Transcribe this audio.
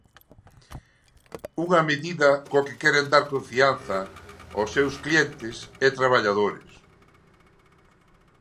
Unha medida coa que queren dar confianza aos seus clientes e traballadores.